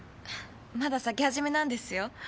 まだ咲き始めなんですよ。